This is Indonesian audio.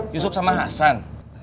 yusuf sama hasan